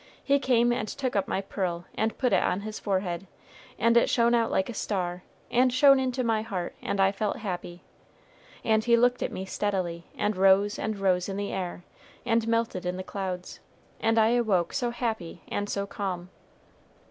He came and took up my pearl and put it on his forehead, and it shone out like a star, and shone into my heart, and I felt happy; and he looked at me steadily, and rose and rose in the air, and melted in the clouds, and I awoke so happy, and so calm!"